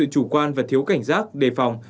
chủ quan và thiếu cảnh giác đề phòng